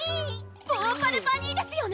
ヴォーパルバニーですよね？